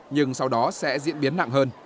nhưng sau đó sẽ diễn biến nặng hơn